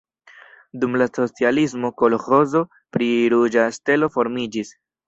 Dum la socialismo kolĥozo pri Ruĝa Stelo formiĝis.